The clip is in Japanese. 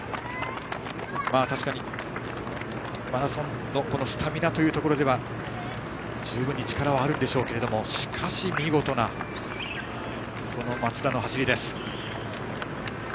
確かにマラソンのスタミナというところでは十分に力はあるんでしょうがしかし、見事な松田の走り。